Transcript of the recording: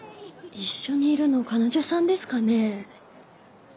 一緒にいるのカノジョさんですかね？